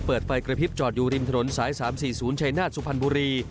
เปิดไฟกระพริบจอดอยู่ริมถนนสาย๓๔๐ชัยนาฏสุพรรณบุรี